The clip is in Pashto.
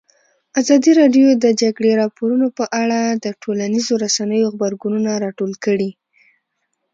ازادي راډیو د د جګړې راپورونه په اړه د ټولنیزو رسنیو غبرګونونه راټول کړي.